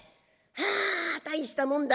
あ大したもんだ。